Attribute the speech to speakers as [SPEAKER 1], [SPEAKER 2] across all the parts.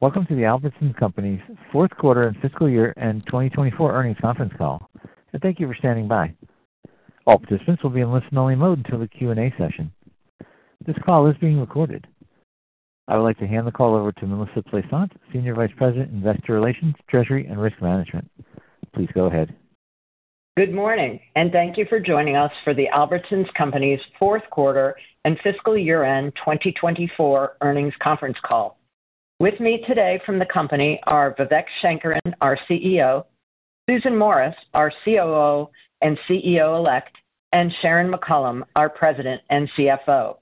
[SPEAKER 1] Welcome to the Albertsons Companies Q4 and fiscal year 2024 Earnings Conference Call. Thank you for standing by. All participants will be in listen-only mode until the Q&A session. This call is being recorded. I would like to hand the call over to Melissa Plaisance, Senior Vice President, Investor Relations, Treasury and Risk Management. Please go ahead.
[SPEAKER 2] Good morning, and thank you for joining us for the Albertsons Companies fourth quarter and fiscal year-end 2024 Earnings Conference Call. With me today from the company are Vivek Sankaran, our CEO; Susan Morris, our COO and CEO-elect; and Sharon McCollam, our President and CFO.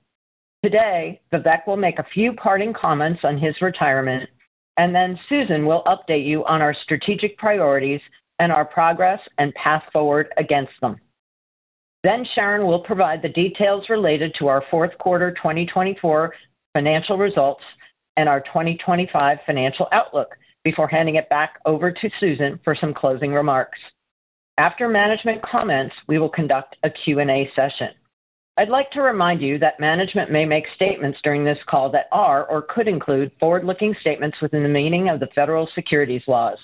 [SPEAKER 2] Today, Vivek will make a few parting comments on his retirement, and Susan will update you on our strategic priorities and our progress and path forward against them. Sharon will provide the details related to our Q4 2024 financial results and our 2025 financial outlook before handing it back over to Susan for some closing remarks. After management comments, we will conduct a Q&A session. I'd like to remind you that management may make statements during this call that are or could include forward-looking statements within the meaning of the Federal Securities Laws.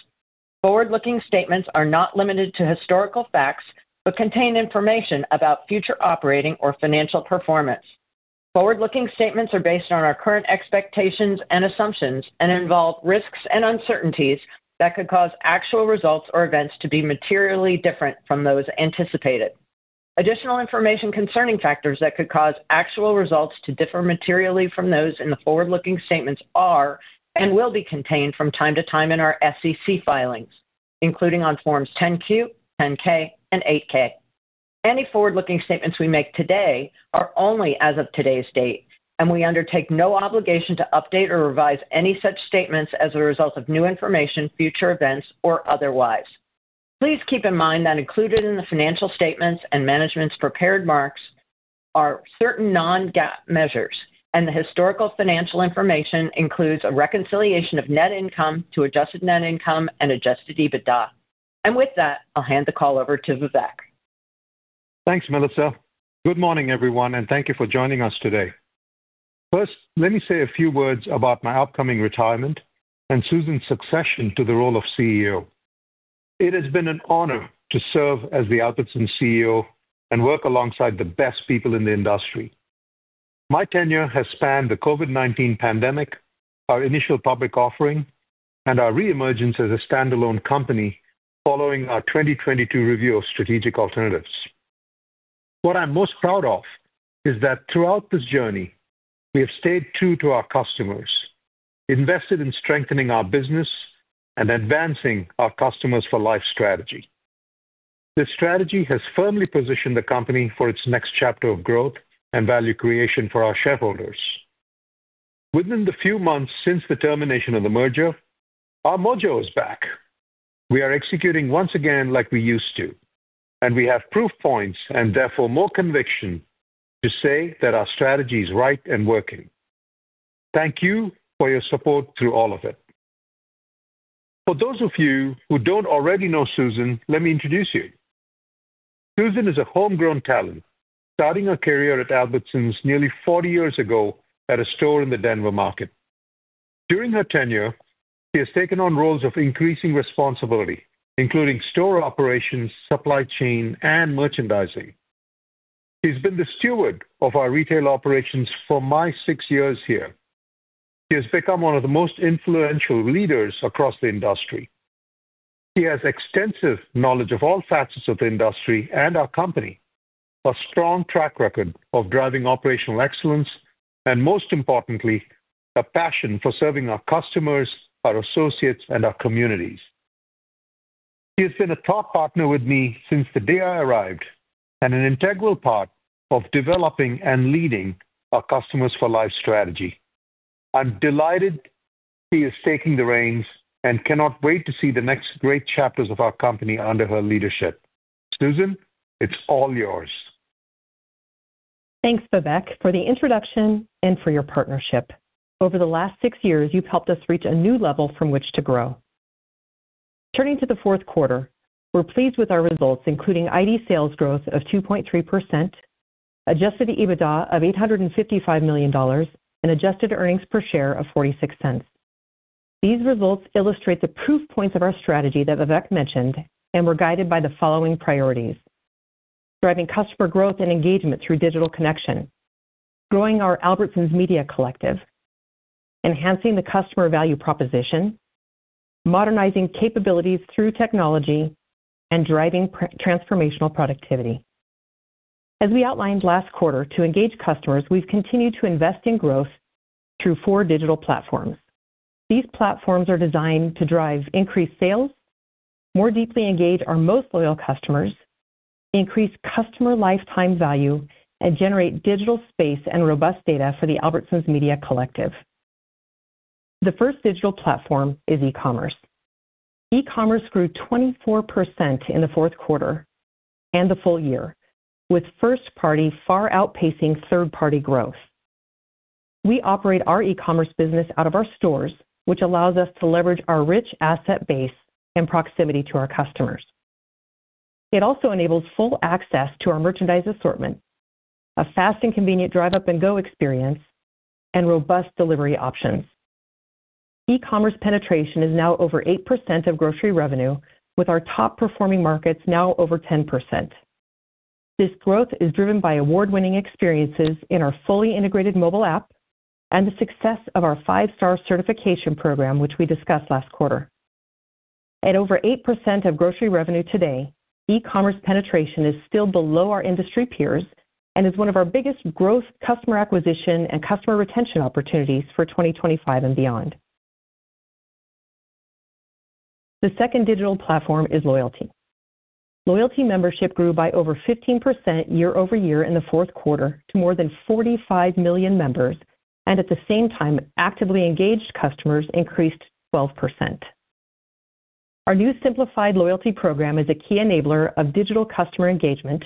[SPEAKER 2] Forward-looking statements are not limited to historical facts but contain information about future operating or financial performance. Forward-looking statements are based on our current expectations and assumptions and involve risks and uncertainties that could cause actual results or events to be materially different from those anticipated. Additional information concerning factors that could cause actual results to differ materially from those in the forward-looking statements are and will be contained from time to time in our SEC filings, including on Forms 10-Q, 10-K, and 8-K. Any forward-looking statements we make today are only as of today's date, and we undertake no obligation to update or revise any such statements as a result of new information, future events, or otherwise. Please keep in mind that included in the financial statements and management's prepared marks are certain non-GAAP measures, and the historical financial information includes a reconciliation of net income to adjusted net income and adjusted EBITDA. With that, I'll hand the call over to Vivek.
[SPEAKER 3] Thanks, Melissa. Good morning, everyone, and thank you for joining us today. First, let me say a few words about my upcoming retirement and Susan's succession to the role of CEO. It has been an honor to serve as the Albertsons CEO and work alongside the best people in the industry. My tenure has spanned the COVID-19 pandemic, our initial public offering, and our reemergence as a standalone company following our 2022 review of strategic alternatives. What I'm most proud of is that throughout this journey, we have stayed true to our customers, invested in strengthening our business, and advancing our Customers for Life strategy. This strategy has firmly positioned the company for its next chapter of growth and value creation for our shareholders. Within the few months since the termination of the merger, our mojo is back. We are executing once again like we used to, and we have proof points and therefore more conviction to say that our strategy is right and working. Thank you for your support through all of it. For those of you who do not already know Susan, let me introduce you. Susan is a homegrown talent, starting her career at Albertsons nearly 40 years ago at a store in the Denver market. During her tenure, she has taken on roles of increasing responsibility, including store operations, supply chain, and merchandising. She has been the steward of our retail operations for my six years here. She has become one of the most influential leaders across the industry. She has extensive knowledge of all facets of the industry and our company, a strong track record of driving operational excellence, and most importantly, a passion for serving our customers, our associates, and our communities. She has been a top partner with me since the day I arrived and an integral part of developing and leading our Customers for life strategy. I'm delighted she is taking the reins and cannot wait to see the next great chapters of our company under her leadership. Susan, it's all yours.
[SPEAKER 4] Thanks, Vivek, for the introduction and for your partnership. Over the last six years, you've helped us reach a new level from which to grow. Turning to the Q4, we're pleased with our results, including ID sales growth of 2.3%, adjusted EBITDA of $855 million, and adjusted earnings per share of $0.46. These results illustrate the proof points of our strategy that Vivek mentioned and were guided by the following priorities: driving customer growth and engagement through digital connection, growing our Albertsons Media Collective, enhancing the customer value proposition, modernizing capabilities through technology, and driving transformational productivity. As we outlined last quarter, to engage customers, we've continued to invest in growth through four digital platforms. These platforms are designed to drive increased sales, more deeply engage our most loyal customers, increase customer lifetime value, and generate digital space and robust data for the Albertsons Media Collective. The first digital platform is e-commerce. E-commerce grew 24% in the Q4 and the full year, with first-party far outpacing third-party growth. We operate our e-commerce business out of our stores, which allows us to leverage our rich asset base and proximity to our customers. It also enables full access to our merchandise assortment, a fast and convenient Drive Up & Go experience, and robust delivery options. E-commerce penetration is now over 8% of grocery revenue, with our top-performing markets now over 10%. This growth is driven by award-winning experiences in our fully integrated mobile app and the success of our five-star certification program, which we discussed last quarter. At over 8% of grocery revenue today, e-commerce penetration is still below our industry peers and is one of our biggest growth customer acquisition and customer retention opportunities for 2025 and beyond. The second digital platform is loyalty. Loyalty membership grew by over 15% year-over-year in the Q4 to more than 45 million members, and at the same time, actively engaged customers increased 12%. Our new simplified loyalty program is a key enabler of digital customer engagement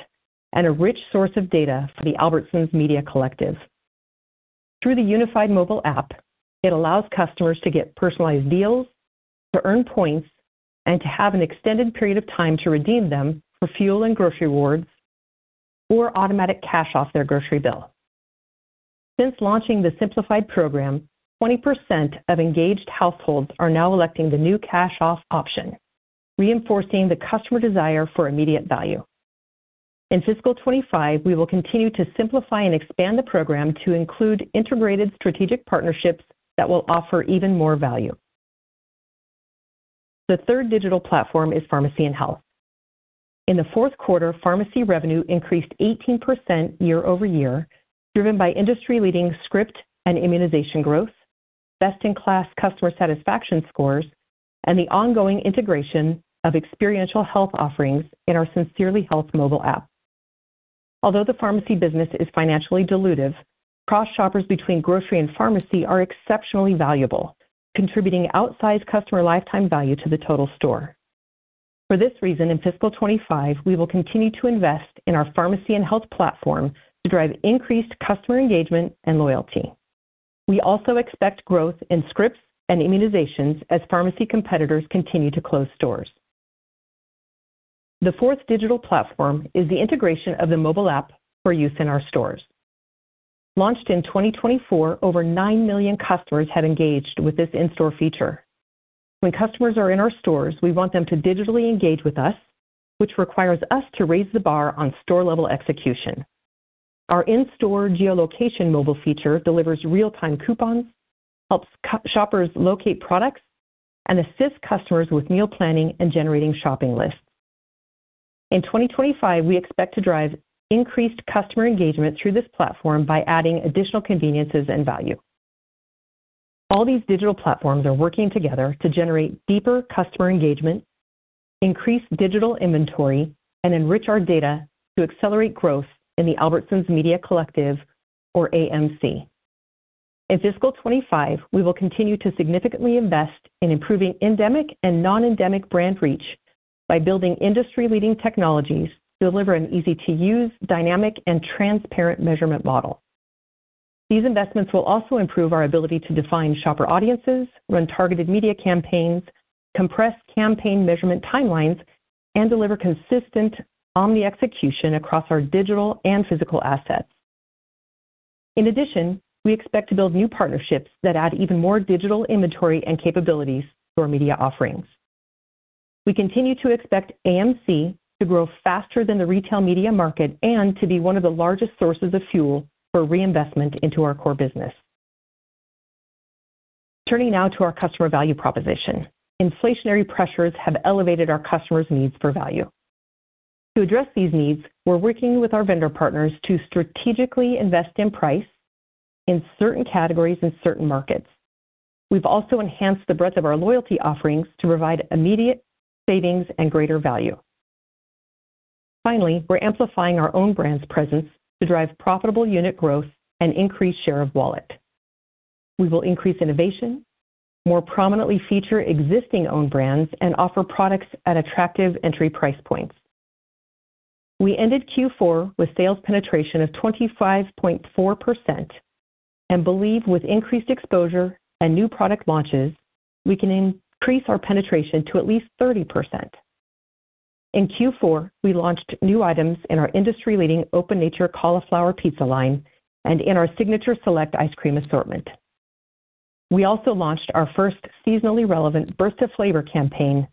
[SPEAKER 4] and a rich source of data for the Albertsons Media Collective. Through the unified mobile app, it allows customers to get personalized deals, to earn points, and to have an extended period of time to redeem them for fuel and grocery rewards or automatic cash off their grocery bill. Since launching the simplified program, 20% of engaged households are now electing the new cash off option, reinforcing the customer desire for immediate value. In fiscal 2025, we will continue to simplify and expand the program to include integrated strategic partnerships that will offer even more value. The third digital platform is pharmacy and health. In the Q4, pharmacy revenue increased 18% year-over-year, driven by industry-leading script and immunization growth, best-in-class customer satisfaction scores, and the ongoing integration of experiential health offerings in our Sincerely Health mobile app. Although the pharmacy business is financially dilutive, cross shoppers between grocery and pharmacy are exceptionally valuable, contributing outsized customer lifetime value to the total store. For this reason, in fiscal 2025, we will continue to invest in our pharmacy and health platform to drive increased customer engagement and loyalty. We also expect growth in scripts and immunizations as pharmacy competitors continue to close stores. The fourth digital platform is the integration of the mobile app for use in our stores. Launched in 2024, over 9 million customers have engaged with this in-store feature. When customers are in our stores, we want them to digitally engage with us, which requires us to raise the bar on store-level execution. Our in-store geolocation mobile feature delivers real-time coupons, helps shoppers locate products, and assists customers with meal planning and generating shopping lists. In 2025, we expect to drive increased customer engagement through this platform by adding additional conveniences and value. All these digital platforms are working together to generate deeper customer engagement, increase digital inventory, and enrich our data to accelerate growth in the Albertsons Media Collective, or AMC. In fiscal 2025, we will continue to significantly invest in improving endemic and non-endemic brand reach by building industry-leading technologies to deliver an easy-to-use, dynamic, and transparent measurement model. These investments will also improve our ability to define shopper audiences, run targeted media campaigns, compress campaign measurement timelines, and deliver consistent omni-execution across our digital and physical assets. In addition, we expect to build new partnerships that add even more digital inventory and capabilities to our media offerings. We continue to expect AMC to grow faster than the retail media market and to be one of the largest sources of fuel for reinvestment into our core business. Turning now to our customer value proposition, inflationary pressures have elevated our customers' needs for value. To address these needs, we're working with our vendor partners to strategically invest in price in certain categories and certain markets. We've also enhanced the breadth of our loyalty offerings to provide immediate savings and greater value. Finally, we're amplifying our own brand's presence to drive profitable unit growth and increase share of wallet. We will increase innovation, more prominently feature existing owned brands, and offer products at attractive entry price points. We ended Q4 with sales penetration of 25.4% and believe with increased exposure and new product launches, we can increase our penetration to at least 30%. In Q4, we launched new items in our industry-leading Open Nature Cauliflower Pizza line and in our Signature Select ice cream assortment. We also launched our first seasonally relevant burst of flavor campaign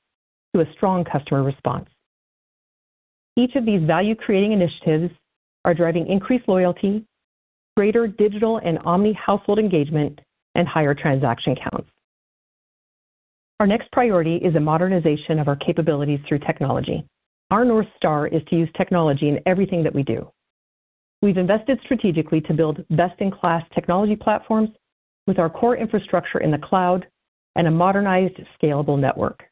[SPEAKER 4] to a strong customer response. Each of these value-creating initiatives are driving increased loyalty, greater digital and omni-household engagement, and higher transaction counts. Our next priority is a modernization of our capabilities through technology. Our North Star is to use technology in everything that we do. We've invested strategically to build best-in-class technology platforms with our core infrastructure in the cloud and a modernized, scalable network.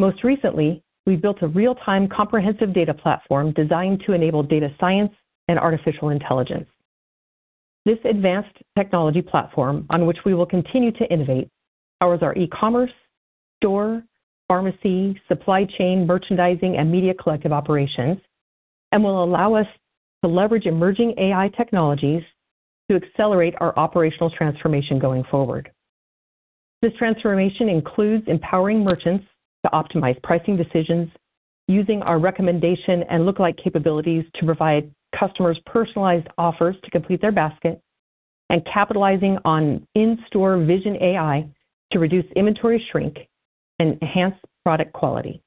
[SPEAKER 4] Most recently, we've built a real-time comprehensive data platform designed to enable data science and Artificial Intelligence. This advanced technology platform, on which we will continue to innovate, powers our e-commerce, store, pharmacy, supply chain, merchandising, and Media Collective operations, and will allow us to leverage emerging AI technologies to accelerate our operational transformation going forward. This transformation includes empowering merchants to optimize pricing decisions, using our recommendation and look-alike capabilities to provide customers personalized offers to complete their basket, and capitalizing on in-store vision AI to reduce inventory shrink and enhance product quality.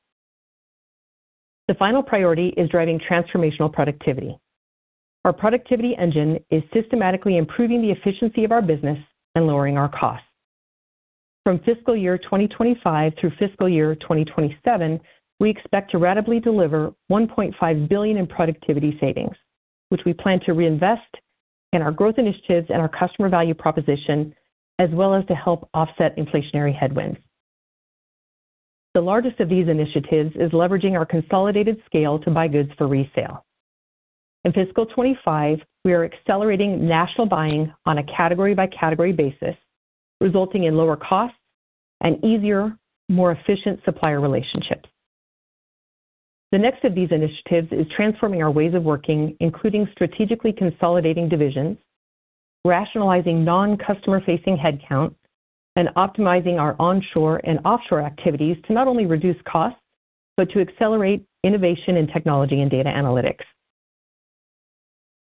[SPEAKER 4] The final priority is driving transformational productivity. Our productivity engine is systematically improving the efficiency of our business and lowering our costs. From fiscal year 2025 through fiscal year 2027, we expect to radically deliver $1.5 billion in productivity savings, which we plan to reinvest in our growth initiatives and our customer value proposition, as well as to help offset inflationary headwinds. The largest of these initiatives is leveraging our consolidated scale to buy goods for resale. In fiscal 2025, we are accelerating national buying on a category-by-category basis, resulting in lower costs and easier, more efficient supplier relationships. The next of these initiatives is transforming our ways of working, including strategically consolidating divisions, rationalizing non-customer-facing headcount, and optimizing our onshore and offshore activities to not only reduce costs, but to accelerate innovation in technology and data analytics.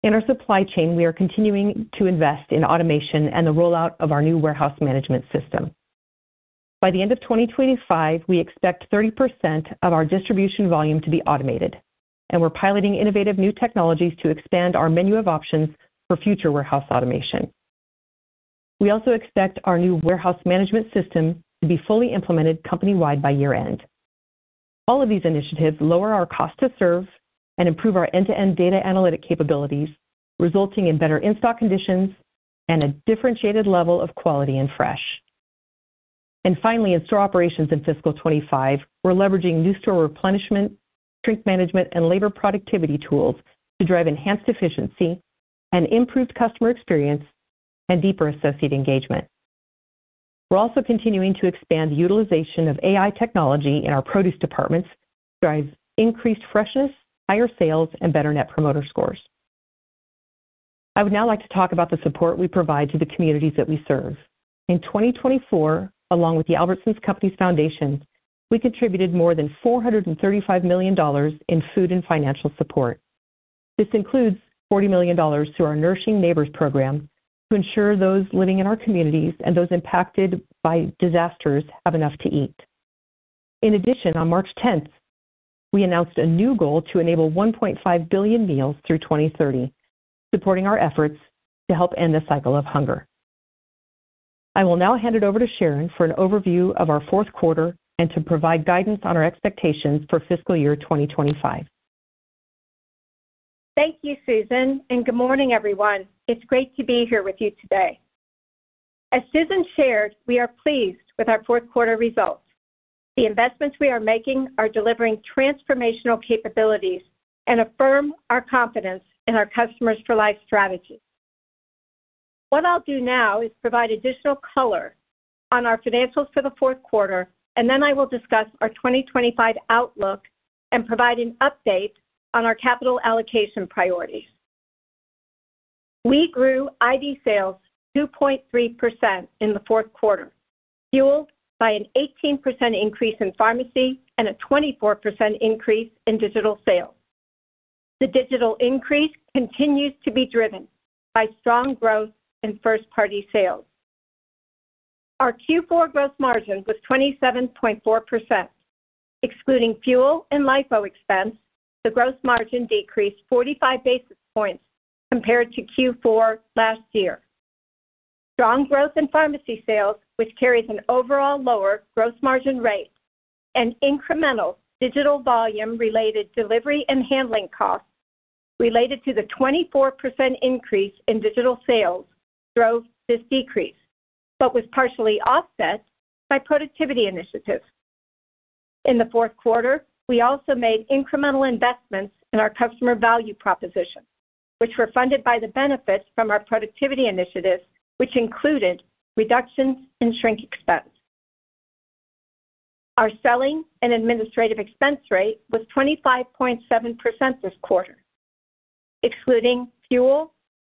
[SPEAKER 4] In our supply chain, we are continuing to invest in automation and the rollout of our new warehouse management system. By the end of 2025, we expect 30% of our distribution volume to be automated, and we're piloting innovative new technologies to expand our menu of options for future warehouse automation. We also expect our new warehouse management system to be fully implemented company-wide by year-end. All of these initiatives lower our cost to serve and improve our end-to-end data analytic capabilities, resulting in better in-stock conditions and a differentiated level of quality and fresh. Finally, in store operations in fiscal 2025, we're leveraging new store replenishment, shrink management, and labor productivity tools to drive enhanced efficiency and improved customer experience and deeper associate engagement. We're also continuing to expand the utilization of AI technology in our produce departments to drive increased freshness, higher sales, and better net promoter scores. I would now like to talk about the support we provide to the communities that we serve. In 2024, along with the Albertsons Companies Foundation, we contributed more than $435 million in food and financial support. This includes $40 million through our Nourishing Neighbors program to ensure those living in our communities and those impacted by disasters have enough to eat. In addition, 10 March, we announced a new goal to enable 1.5 billion meals through 2030, supporting our efforts to help end the cycle of hunger. I will now hand it over to Sharon for an overview of our Q4 and to provide guidance on our expectations for fiscal year 2025.
[SPEAKER 5] Thank you, Susan, and good morning, everyone. It's great to be here with you today. As Susan shared, we are pleased with our Q4 results. The investments we are making are delivering transformational capabilities and affirm our confidence in our customers-for-life strategy. What I'll do now is provide additional color on our financials for the Q4, and then I will discuss our 2025 outlook and provide an update on our capital allocation priorities. We grew ID sales 2.3% in the Q4, fueled by an 18% increase in pharmacy and a 24% increase in digital sales. The digital increase continues to be driven by strong growth in first-party sales. Our Q4 gross margin was 27.4%. Excluding fuel and LIFO expense, the gross margin decreased 45 basis points compared to Q4 last year. Strong growth in pharmacy sales, which carries an overall lower gross margin rate, and incremental digital volume-related delivery and handling costs related to the 24% increase in digital sales drove this decrease, but was partially offset by productivity initiatives. In the Q4, we also made incremental investments in our customer value proposition, which were funded by the benefits from our productivity initiatives, which included reductions in shrink expense. Our selling and administrative expense rate was 25.7% this quarter. Excluding fuel,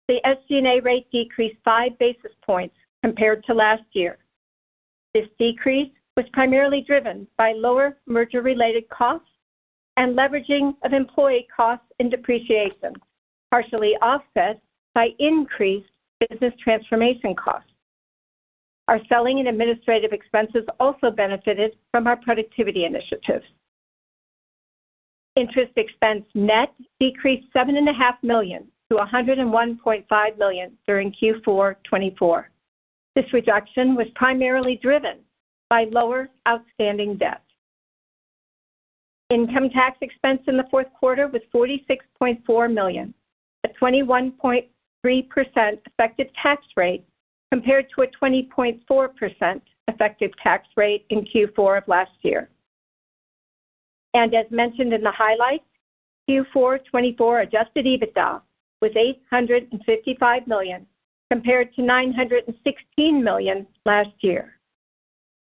[SPEAKER 5] the SG&A rate decreased 5 basis points compared to last year. This decrease was primarily driven by lower merger-related costs and leveraging of employee costs in depreciation, partially offset by increased business transformation costs. Our selling and administrative expenses also benefited from our productivity initiatives. Interest expense net decreased $7.5 million to $101.5 million during Q4 2024. This reduction was primarily driven by lower outstanding debt. Income tax expense in the fourth quarter was $46.4 million, a 21.3% effective tax rate compared to a 20.4% effective tax rate in Q4 of last year. As mentioned in the highlights, Q4 2024 adjusted EBITDA was $855 million compared to $916 million last year.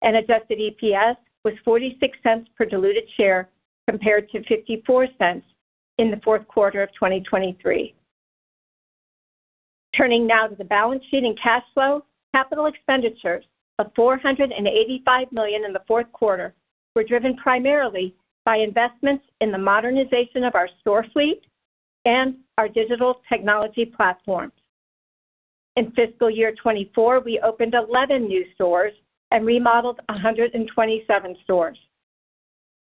[SPEAKER 5] Adjusted EPS was $0.46 per diluted share compared to $0.54 in the Q4 of 2023. Turning now to the balance sheet and cash flow, capital expenditures of $485 million in the Q4 were driven primarily by investments in the modernization of our store fleet and our digital technology platforms. In fiscal year 2024, we opened 11 new stores and remodeled 127 stores.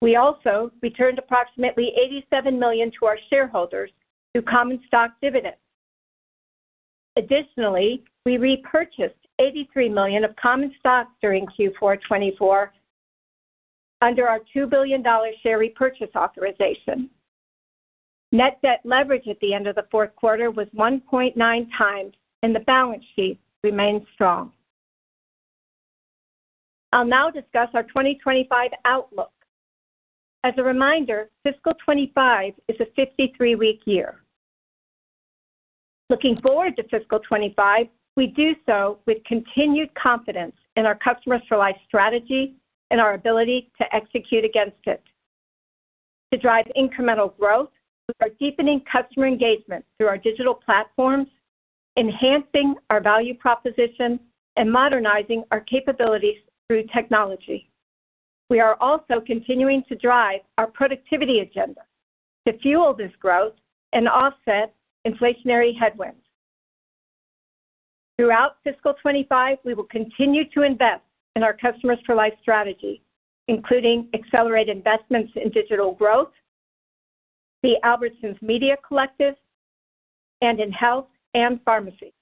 [SPEAKER 5] We also returned approximately $87 million to our shareholders through common stock dividends. Additionally, we repurchased $83 million of common stock during Q4 2024 under our $2 billion share repurchase authorization. Net debt leverage at the end of the Q4 was 1.9 times, and the balance sheet remained strong. I'll now discuss our 2025 outlook. As a reminder, fiscal 2025 is a 53-week year. Looking forward to fiscal 2025, we do so with continued confidence in our customers-for-life strategy and our ability to execute against it. To drive incremental growth, we are deepening customer engagement through our digital platforms, enhancing our value proposition, and modernizing our capabilities through technology. We are also continuing to drive our productivity agenda to fuel this growth and offset inflationary headwinds. Throughout fiscal 2025, we will continue to invest in our customers-for-life strategy, including accelerated investments in digital growth, the Albertsons Media Collective, and in health and pharmacy.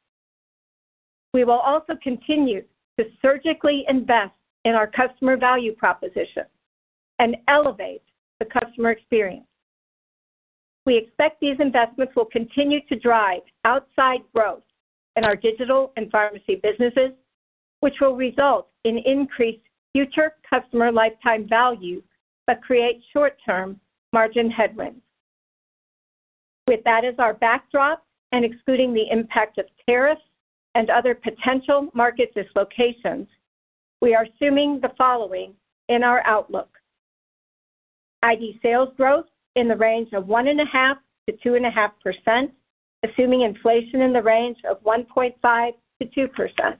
[SPEAKER 5] We will also continue to surgically invest in our customer value proposition and elevate the customer experience. We expect these investments will continue to drive outside growth in our digital and pharmacy businesses, which will result in increased future customer lifetime value but create short-term margin headwinds. With that as our backdrop and excluding the impact of tariffs and other potential market dislocations, we are assuming the following in our outlook: ID sales growth in the range of 1.5% to 2.5%, assuming inflation in the range of 1.5% to 2%.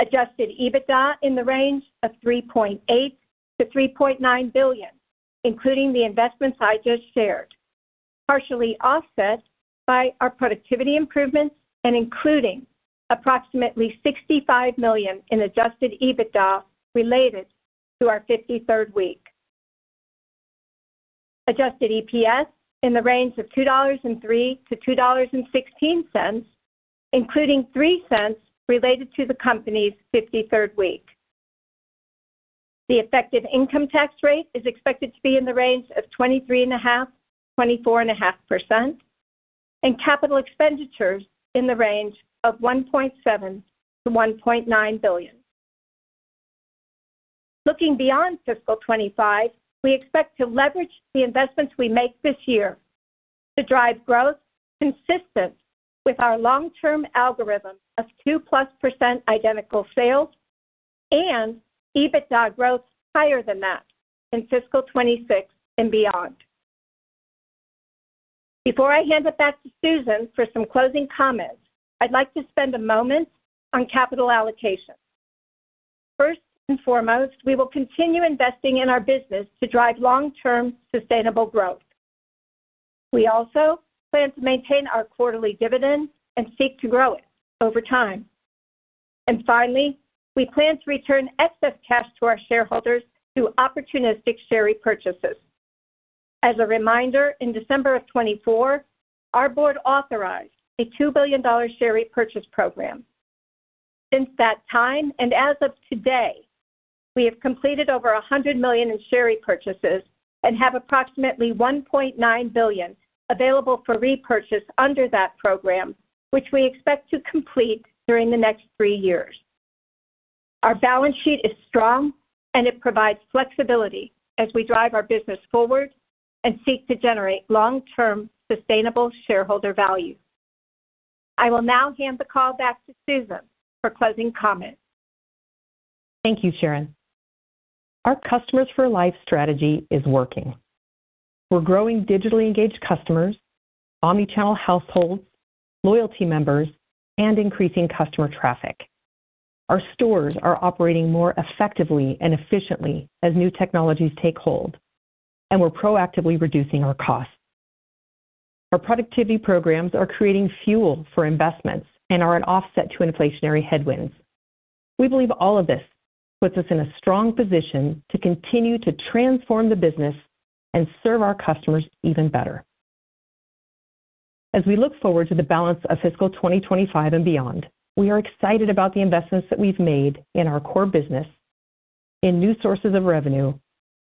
[SPEAKER 5] Adjusted EBITDA in the range of $3.8 to 3.9 billion, including the investments I just shared, partially offset by our productivity improvements and including approximately $65 million in adjusted EBITDA related to our 53rd week. Adjusted EPS in the range of $2.03 to $2.16, including $0.03 related to the company's 53rd week. The effective income tax rate is expected to be in the range of 23.5% to 24.5%, and capital expenditures in the range of $1.7 to 1.9 billion. Looking beyond fiscal 2025, we expect to leverage the investments we make this year to drive growth consistent with our long-term algorithm of 2% plus identical sales and EBITDA growth higher than that in fiscal 2026 and beyond. Before I hand it back to Susan for some closing comments, I'd like to spend a moment on capital allocation. First and foremost, we will continue investing in our business to drive long-term sustainable growth. We also plan to maintain our quarterly dividend and seek to grow it over time. Finally, we plan to return excess cash to our shareholders through opportunistic share repurchases. As a reminder, in December of 2024, our board authorized a $2 billion share repurchase program. Since that time and as of today, we have completed over $100 million in share repurchases and have approximately $1.9 billion available for repurchase under that program, which we expect to complete during the next three years. Our balance sheet is strong, and it provides flexibility as we drive our business forward and seek to generate long-term sustainable shareholder value. I will now hand the call back to Susan for closing comments.
[SPEAKER 4] Thank you, Sharon. Our customers-for-life strategy is working. We're growing digitally engaged customers, omnichannel households, loyalty members, and increasing customer traffic. Our stores are operating more effectively and efficiently as new technologies take hold, and we're proactively reducing our costs. Our productivity programs are creating fuel for investments and are an offset to inflationary headwinds. We believe all of this puts us in a strong position to continue to transform the business and serve our customers even better. As we look forward to the balance of fiscal 2025 and beyond, we are excited about the investments that we've made in our core business, in new sources of revenue,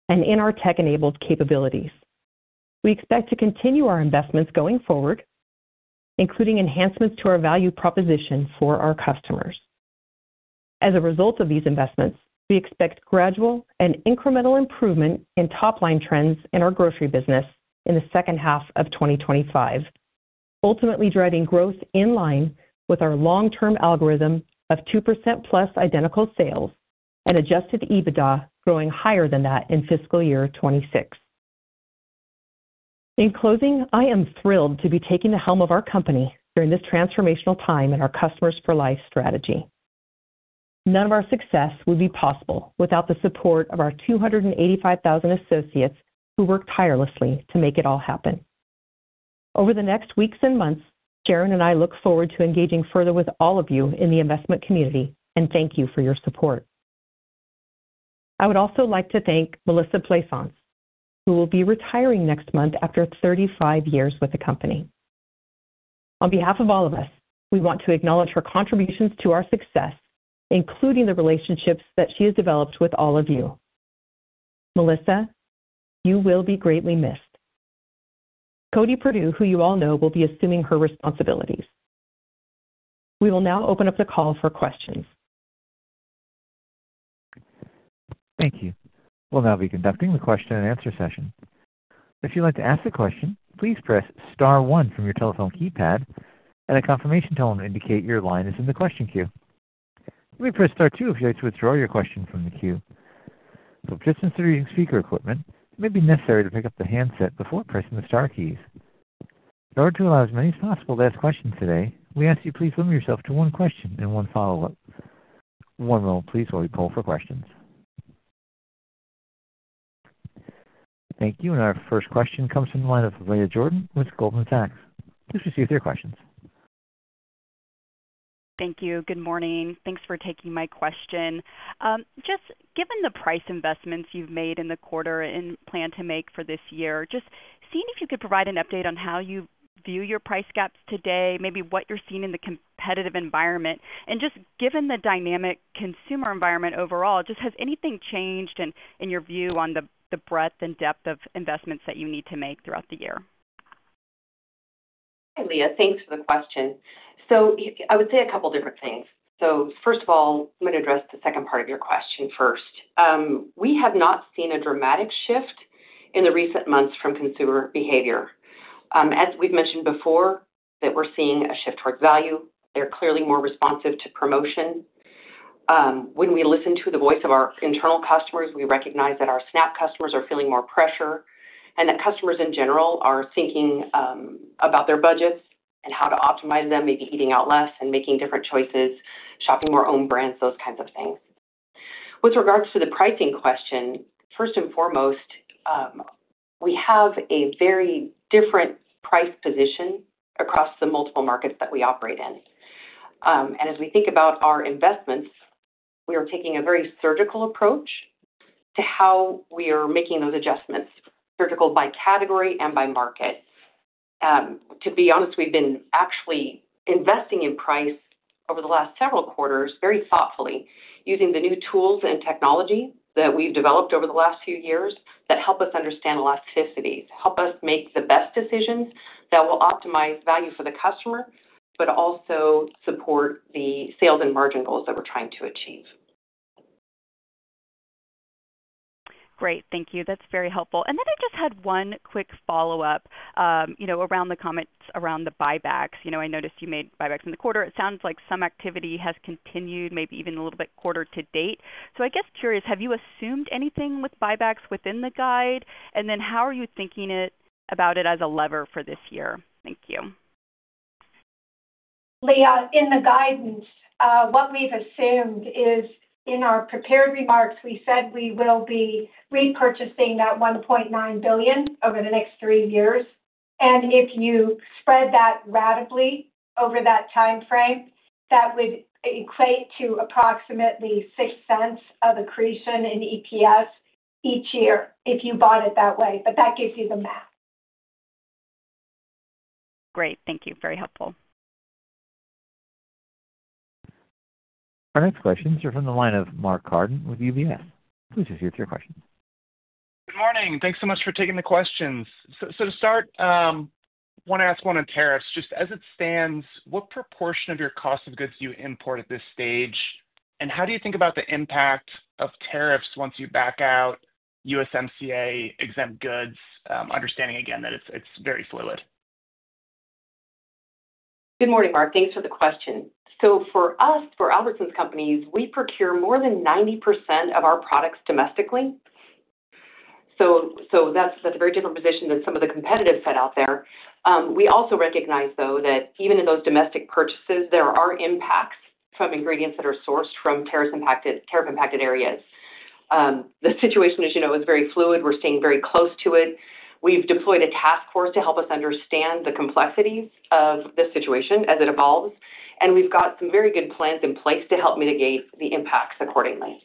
[SPEAKER 4] and in our tech-enabled capabilities. We expect to continue our investments going forward, including enhancements to our value proposition for our customers. As a result of these investments, we expect gradual and incremental improvement in top-line trends in our grocery business in the second half of 2025, ultimately driving growth in line with our long-term algorithm of 2% plus identical sales and adjusted EBITDA growing higher than that in fiscal year 2026. In closing, I am thrilled to be taking the helm of our company during this transformational time in our customers-for-life strategy. None of our success would be possible without the support of our 285,000 associates who worked tirelessly to make it all happen. Over the next weeks and months, Sharon and I look forward to engaging further with all of you in the investment community, and thank you for your support. I would also like to thank Melissa Plaisance, who will be retiring next month after 35 years with the company. On behalf of all of us, we want to acknowledge her contributions to our success, including the relationships that she has developed with all of you. Melissa, you will be greatly missed. Cody Perdue, who you all know, will be assuming her responsibilities. We will now open up the call for questions.
[SPEAKER 1] Thank you. We'll now be conducting the question-and-answer session. If you'd like to ask a question, please press Star 1 from your telephone keypad, and a confirmation tone will indicate your line is in the question queue. You may press Star 2 if you'd like to withdraw your question from the queue. For participants that are using speaker equipment, it may be necessary to pick up the handset before pressing the Star keys. In order to allow as many as possible to ask questions today, we ask that you please limit yourself to one question and one follow-up. One moment, please, while we pull for questions. Thank you. Our first question comes from the line of Leah Jordan with Goldman Sachs. Please proceed with your questions.
[SPEAKER 6] Thank you. Good morning. Thanks for taking my question. Just given the price investments you've made in the quarter and plan to make for this year, just seeing if you could provide an update on how you view your price gaps today, maybe what you're seeing in the competitive environment, and just given the dynamic consumer environment overall, just has anything changed in your view on the breadth and depth of investments that you need to make throughout the year?
[SPEAKER 4] Hi, Leah. Thanks for the question. I would say a couple of different things. First of all, let me address the second part of your question first. We have not seen a dramatic shift in the recent months from consumer behavior. As we've mentioned before, we're seeing a shift towards value. They're clearly more responsive to promotion. When we listen to the voice of our internal customers, we recognize that our SNAP customers are feeling more pressure and that customers in general are thinking about their budgets and how to optimize them, maybe eating out less and making different choices, shopping more owned brands, those kinds of things. With regards to the pricing question, first and foremost, we have a very different price position across the multiple markets that we operate in. As we think about our investments, we are taking a very surgical approach to how we are making those adjustments, surgical by category and by market. To be honest, we've been actually investing in price over the last several quarters very thoughtfully, using the new tools and technology that we've developed over the last few years that help us understand elasticities, help us make the best decisions that will optimize value for the customer, but also support the sales and margin goals that we're trying to achieve.
[SPEAKER 6] Great. Thank you. That's very helpful. I just had one quick follow-up around the comments around the buybacks. I noticed you made buybacks in the quarter. It sounds like some activity has continued, maybe even a little bit quarter to date. I guess curious, have you assumed anything with buybacks within the guide? How are you thinking about it as a lever for this year? Thank you.
[SPEAKER 5] Leah, in the guidance, what we've assumed is in our prepared remarks, we said we will be repurchasing that $1.9 billion over the next three years. If you spread that ratably over that time frame, that would equate to approximately $0.06 of accretion in EPS each year if you bought it that way. That gives you the math.
[SPEAKER 6] Great. Thank you. Very helpful.
[SPEAKER 1] Our next questions are from the line of Mark Carden with UBS. Please proceed with your questions.
[SPEAKER 7] Good morning. Thanks so much for taking the questions. To start, I want to ask one on tariffs. Just as it stands, what proportion of your cost of goods do you import at this stage? How do you think about the impact of tariffs once you back out USMCA-exempt goods, understanding again that it's very fluid?
[SPEAKER 4] Good morning, Mark. Thanks for the question. For us, for Albertsons Companies, we procure more than 90% of our products domestically. That is a very different position than some of the competitive set out there. We also recognize, though, that even in those domestic purchases, there are impacts from ingredients that are sourced from tariff-impacted areas. The situation, as you know, is very fluid. We are staying very close to it. We have deployed a task force to help us understand the complexities of the situation as it evolves. We have some very good plans in place to help mitigate the impacts accordingly.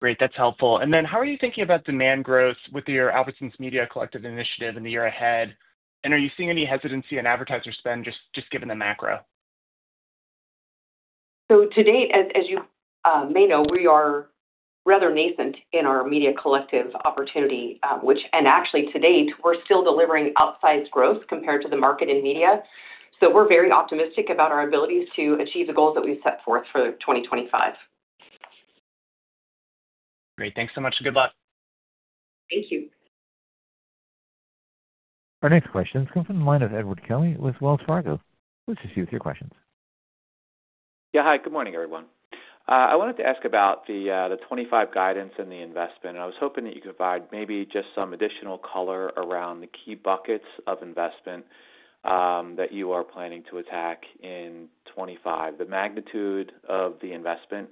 [SPEAKER 7] Great. That is helpful. How are you thinking about demand growth with your Albertsons Media Collective initiative in the year ahead? Are you seeing any hesitancy in advertiser spend, just given the macro?
[SPEAKER 4] To date, as you may know, we are rather nascent in our media collective opportunity. Actually, to date, we're still delivering upsized growth compared to the market and media. We're very optimistic about our abilities to achieve the goals that we've set forth for 2025.
[SPEAKER 7] Great. Thanks so much. Good luck.
[SPEAKER 4] Thank you.
[SPEAKER 1] Our next questions come from the line of Edward Kelly with Wells Fargo. Please proceed with your questions.
[SPEAKER 8] Yeah. Hi. Good morning, everyone. I wanted to ask about the 2025 guidance and the investment. I was hoping that you could provide maybe just some additional color around the key buckets of investment that you are planning to attack in 2025, the magnitude of the investment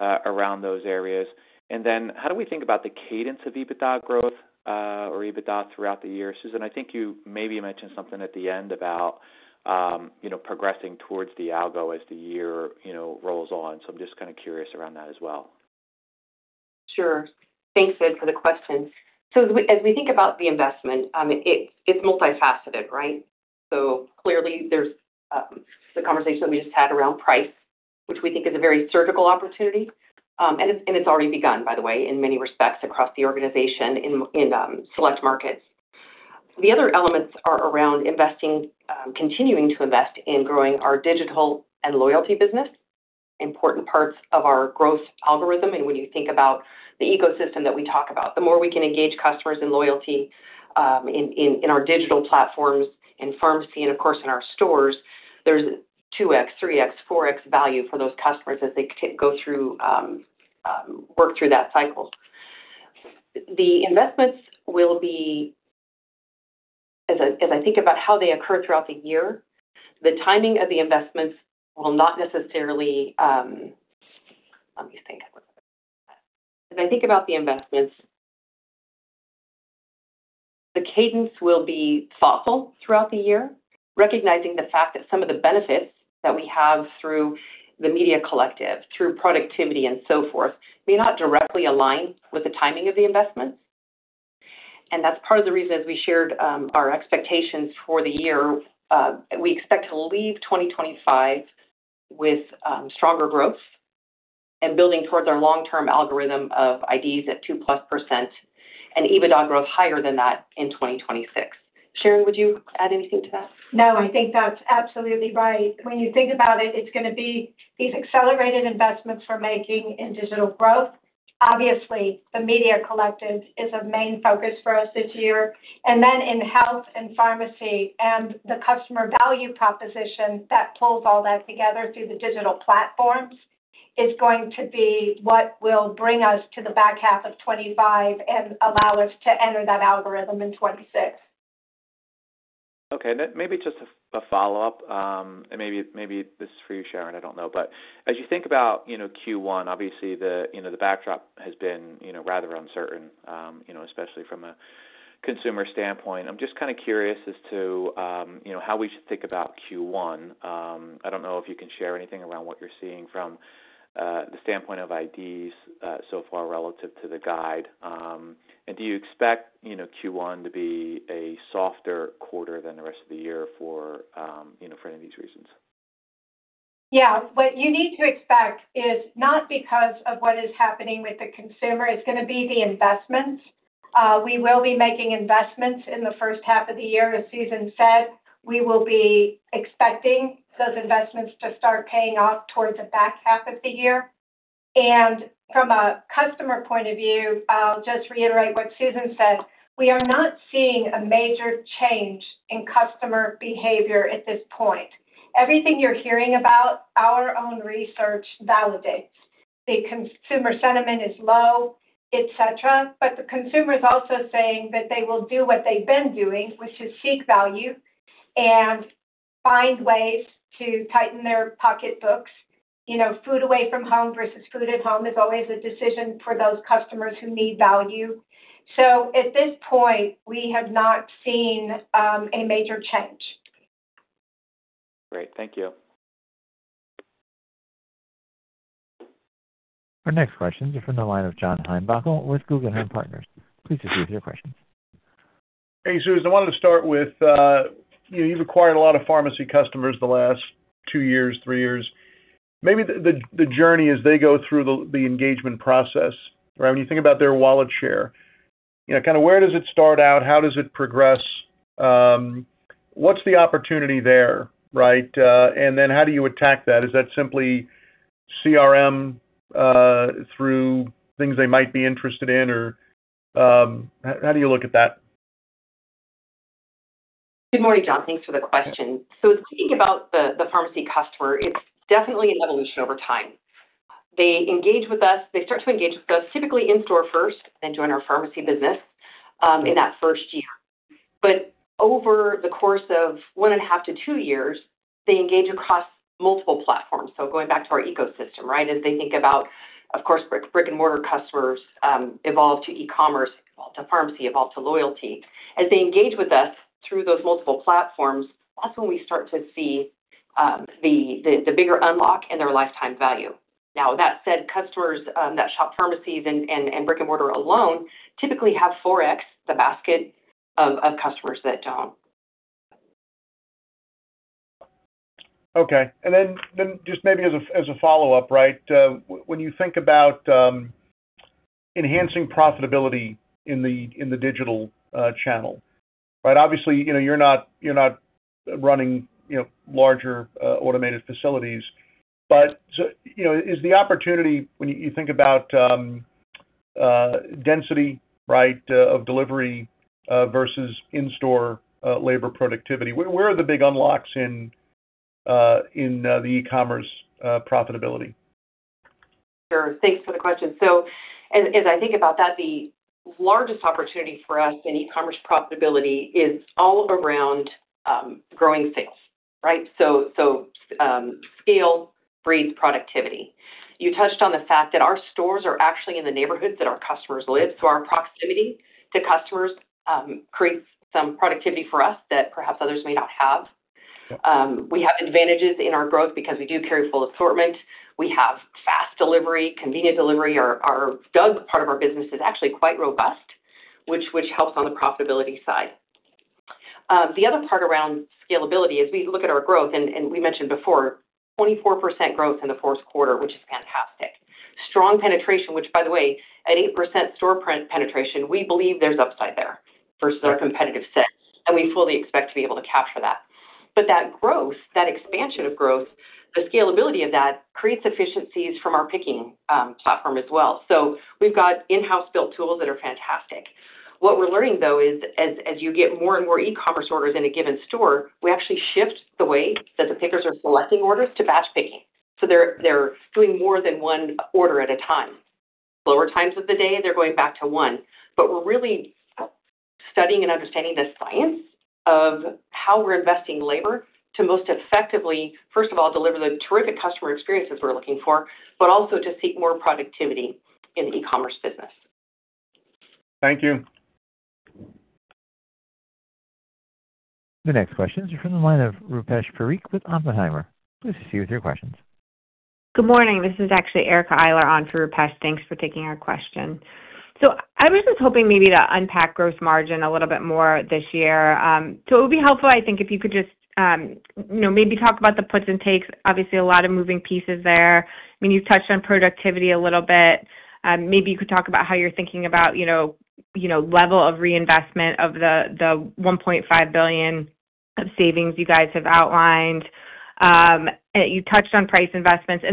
[SPEAKER 8] around those areas. How do we think about the Cadence of EBITDA growth or EBITDA throughout the year? Susan, I think you maybe mentioned something at the end about progressing towards the algo as the year rolls on.
[SPEAKER 4] I'm just kind of curious around that as well. Sure. Thanks, Ed, for the question. As we think about the investment, it's multifaceted, right? Clearly, there's the conversation that we just had around price, which we think is a very surgical opportunity. It's already begun, by the way, in many respects across the organization in select markets. The other elements are around investing, continuing to invest in growing our digital and loyalty business, important parts of our growth algorithm. When you think about the ecosystem that we talk about, the more we can engage customers in loyalty in our digital platforms and pharmacy and, of course, in our stores, there's 2x, 3x, 4x value for those customers as they go through, work through that cycle. The investments will be, as I think about how they occur throughout the year, the timing of the investments will not necessarily—let me think. As I think about the investments, the cadence will be thoughtful throughout the year, recognizing the fact that some of the benefits that we have through the Media Collective, through productivity and so forth, may not directly align with the timing of the investments. That is part of the reason, as we shared our expectations for the year, we expect to leave 2025 with stronger growth and building towards our long-term algorithm of IDs at 2% plus and EBITDA growth higher than that in 2026. Sharon, would you add anything to that?
[SPEAKER 5] No, I think that's absolutely right. When you think about it, it's going to be these accelerated investments we're making in digital growth. Obviously, the Media Collective is a main focus for us this year. In health and pharmacy, the customer value proposition that pulls all that together through the digital platforms is going to be what will bring us to the back half of 2025 and allow us to enter that algorithm in 2026.
[SPEAKER 8] Okay. Maybe just a follow-up, and maybe this is for you, Sharon. I do not know. As you think about Q1, obviously, the backdrop has been rather uncertain, especially from a consumer standpoint. I am just kind of curious as to how we should think about Q1. I do not know if you can share anything around what you are seeing from the standpoint of ID sales so far relative to the guide. Do you expect Q1 to be a softer quarter than the rest of the year for any of these reasons?
[SPEAKER 5] Yeah. What you need to expect is not because of what is happening with the consumer. It is going to be the investments. We will be making investments in the first half of the year. As Susan said, we will be expecting those investments to start paying off towards the back half of the year. From a customer point of view, I will just reiterate what Susan said. We are not seeing a major change in customer behavior at this point. Everything you are hearing about, our own research validates. The consumer sentiment is low, etc. The consumer is also saying that they will do what they have been doing, which is seek value and find ways to tighten their pocketbooks. Food away from home versus food at home is always a decision for those customers who need value. At this point, we have not seen a major change.
[SPEAKER 8] Great. Thank you.
[SPEAKER 1] Our next questions are from the line of John Heinbockel with Guggenheim Securities. Please proceed with your questions.
[SPEAKER 9] Hey, Susan. I wanted to start with you've acquired a lot of pharmacy customers the last two years, three years. Maybe the journey as they go through the engagement process, right? When you think about their wallet share, kind of where does it start out? How does it progress? What's the opportunity there, right? How do you attack that? Is that simply CRM through things they might be interested in? How do you look at that?
[SPEAKER 4] Good morning, John. Thanks for the question. Thinking about the pharmacy customer, it's definitely an evolution over time. They engage with us. They start to engage with us, typically in-store first, then join our pharmacy business in that first year. Over the course of one and a half to two years, they engage across multiple platforms. Going back to our ecosystem, right? As they think about, of course, brick-and-mortar customers evolve to e-commerce, evolve to pharmacy, evolve to loyalty. As they engage with us through those multiple platforms, that's when we start to see the bigger unlock in their lifetime value. That said, customers that shop pharmacies and brick-and-mortar alone typically have 4 times the basket of customers that do not.
[SPEAKER 9] Okay. Maybe as a follow-up, right? When you think about enhancing profitability in the digital channel, right? Obviously, you are not running larger automated facilities. Is the opportunity, when you think about density, right, of delivery versus in-store labor productivity, where are the big unlocks in the e-commerce profitability?
[SPEAKER 4] Sure. Thanks for the question. As I think about that, the largest opportunity for us in e-commerce profitability is all around growing sales, right? Scale breeds productivity. You touched on the fact that our stores are actually in the neighborhoods that our customers live. Our proximity to customers creates some productivity for us that perhaps others may not have. We have advantages in our growth because we do carry full assortment. We have fast delivery, convenient delivery. Our drug part of our business is actually quite robust, which helps on the profitability side. The other part around scalability is we look at our growth, and we mentioned before, 24% growth in the Q4, which is fantastic. Strong penetration, which, by the way, at 8% store penetration, we believe there's upside there versus our competitive set. We fully expect to be able to capture that. That growth, that expansion of growth, the scalability of that creates efficiencies from our picking platform as well. We have in-house built tools that are fantastic. What we're learning, though, is as you get more and more e-commerce orders in a given store, we actually shift the way that the pickers are selecting orders to batch picking. They're doing more than one order at a time. Lower times of the day, they're going back to one. We're really studying and understanding the science of how we're investing labor to most effectively, first of all, deliver the terrific customer experiences we're looking for, but also to seek more productivity in the e-commerce business.
[SPEAKER 9] Thank you.
[SPEAKER 1] The next questions are from the line of Rupesh Parikh with Oppenheimer. Please proceed with your questions.
[SPEAKER 10] Good morning. This is actually Erica Eiler on for Rupesh. Thanks for taking our question. I was just hoping maybe to unpack gross margin a little bit more this year. It would be helpful, I think, if you could just maybe talk about the puts and takes. Obviously, a lot of moving pieces there. I mean, you've touched on productivity a little bit. Maybe you could talk about how you're thinking about level of reinvestment of the $1.5 billion of savings you guys have outlined. You touched on price investments.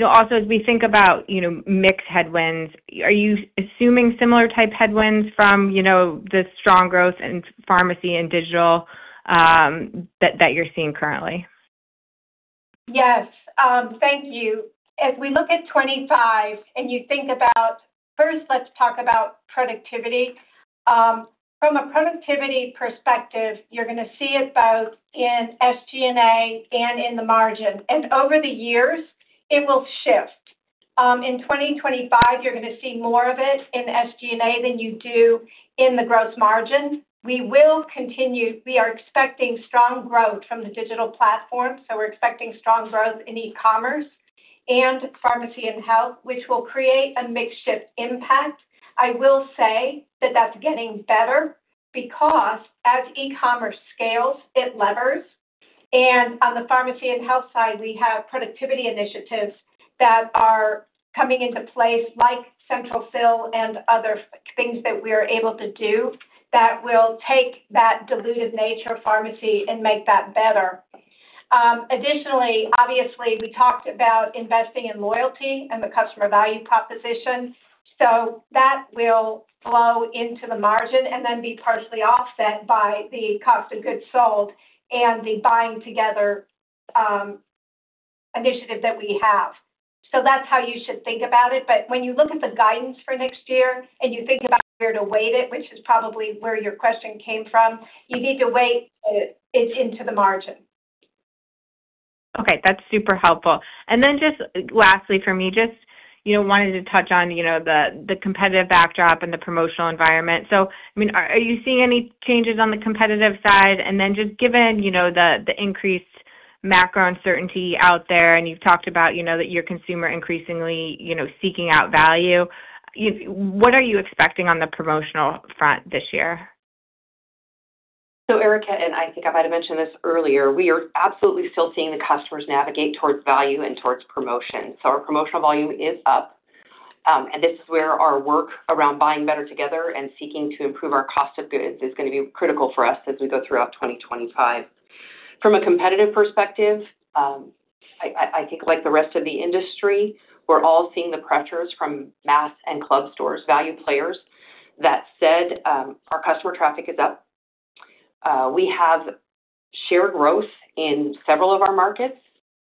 [SPEAKER 10] Also, as we think about mixed headwinds, are you assuming similar type headwinds from the strong growth in pharmacy and digital that you're seeing currently?
[SPEAKER 5] Yes. Thank you. As we look at 2025 and you think about, first, let's talk about productivity. From a productivity perspective, you're going to see it both in SG&A and in the margin. Over the years, it will shift. In 2025, you're going to see more of it in SG&A than you do in the gross margin. We are expecting strong growth from the digital platform. We are expecting strong growth in e-commerce and pharmacy and health, which will create a mixed-shift impact. I will say that that's getting better because as e-commerce scales, it levers. On the pharmacy and health side, we have productivity initiatives that are coming into place, like central fill and other things that we are able to do that will take that diluted nature of pharmacy and make that better. Additionally, obviously, we talked about investing in loyalty and the customer value proposition. That will flow into the margin and then be partially offset by the cost of goods sold and the buying-together initiative that we have. That is how you should think about it. When you look at the guidance for next year and you think about where to weight it, which is probably where your question came from, you need to weight it into the margin.
[SPEAKER 10] Okay. That's super helpful. Lastly for me, just wanted to touch on the competitive backdrop and the promotional environment. I mean, are you seeing any changes on the competitive side? Just given the increased macro uncertainty out there, and you've talked about that your consumer increasingly seeking out value, what are you expecting on the promotional front this year?
[SPEAKER 4] Erica, and I think I might have mentioned this earlier, we are absolutely still seeing the customers navigate towards value and towards promotion. Our promotional volume is up. This is where our work around buying better together and seeking to improve our cost of goods is going to be critical for us as we go throughout 2025. From a competitive perspective, I think like the rest of the industry, we're all seeing the pressures from mass and club stores, value players. That said, our customer traffic is up. We have shared growth in several of our markets,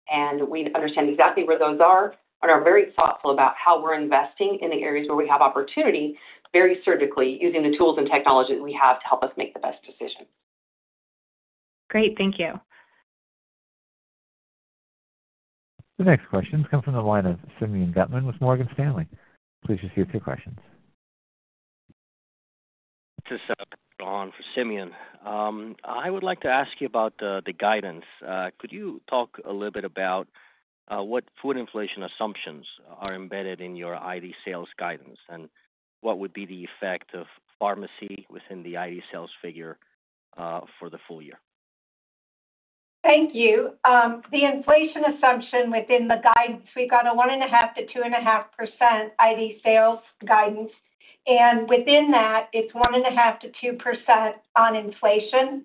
[SPEAKER 4] and we understand exactly where those are and are very thoughtful about how we're investing in the areas where we have opportunity very surgically using the tools and technology that we have to help us make the best decision.
[SPEAKER 10] Great. Thank you.
[SPEAKER 1] The next question has come from the line of Simeon Gutman with Morgan Stanley. Please proceed with your questions.
[SPEAKER 11] This is John for Simeon. I would like to ask you about the guidance. Could you talk a little bit about what food inflation assumptions are embedded in your ID sales guidance and what would be the effect of pharmacy within the ID sales figure for the full year?
[SPEAKER 5] Thank you. The inflation assumption within the guidance, we've got a 1.5% to 2.5% ID sales guidance. And within that, it's 1.5% to 2% on inflation.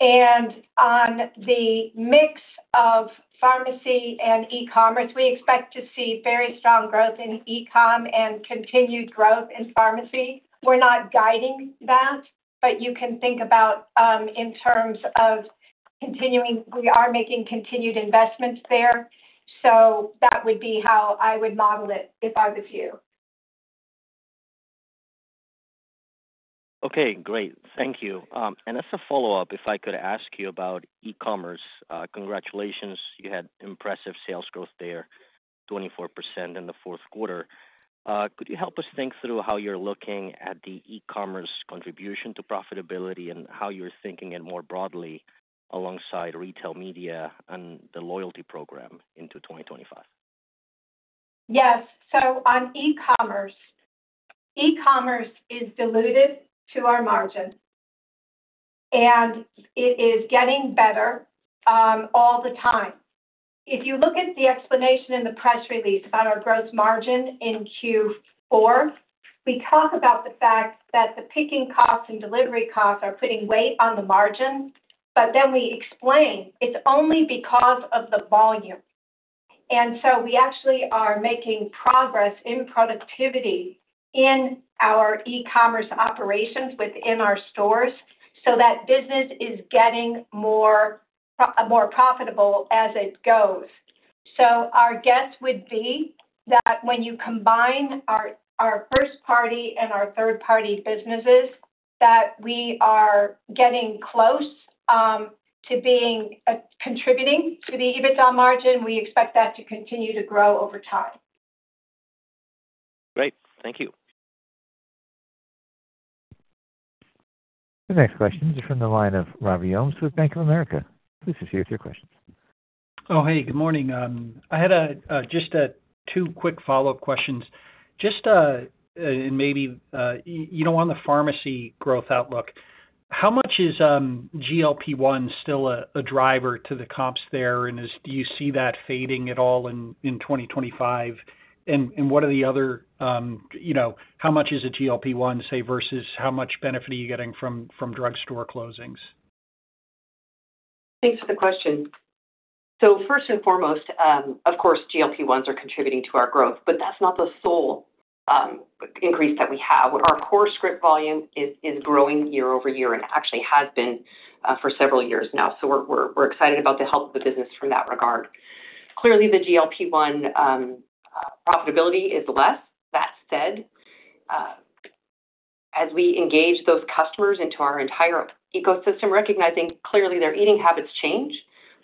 [SPEAKER 5] And on the mix of pharmacy and e-commerce, we expect to see very strong growth in e-com and continued growth in pharmacy. We're not guiding that, but you can think about in terms of continuing we are making continued investments there. That would be how I would model it if I was you.
[SPEAKER 11] Okay. Great. Thank you. As a follow-up, if I could ask you about e-commerce, congratulations. You had impressive sales growth there, 24% in the fourth quarter. Could you help us think through how you're looking at the e-commerce contribution to profitability and how you're thinking it more broadly alongside retail media and the loyalty program into 2025?
[SPEAKER 5] Yes. On e-commerce, e-commerce is dilutive to our margin, and it is getting better all the time. If you look at the explanation in the press release about our gross margin in Q4, we talk about the fact that the picking costs and delivery costs are putting weight on the margin. We explain it's only because of the volume. We actually are making progress in productivity in our e-commerce operations within our stores so that business is getting more profitable as it goes. Our guess would be that when you combine our first-party and our third-party businesses, we are getting close to being contributing to the EBITDA margin. We expect that to continue to grow over time.
[SPEAKER 11] Great. Thank you.
[SPEAKER 1] The next question is from the line of Robbie Ohmes with Bank of America. Please proceed with your questions.
[SPEAKER 12] Oh, hey, good morning. I had just two quick follow-up questions. Just maybe on the pharmacy growth outlook, how much is GLP-1 still a driver to the comps there? Do you see that fading at all in 2025? What are the other, how much is a GLP-1, say, versus how much benefit are you getting from drugstore closings?
[SPEAKER 4] Thanks for the question. First and foremost, of course, GLP-1s are contributing to our growth, but that's not the sole increase that we have. Our core script volume is growing year over year and actually has been for several years now. We're excited about the health of the business from that regard. Clearly, the GLP-1 profitability is less. That said, as we engage those customers into our entire ecosystem, recognizing clearly their eating habits change,